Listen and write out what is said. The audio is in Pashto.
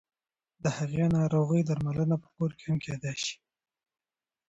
د هغې ناروغۍ درملنه په کور کې هم کېدای شي.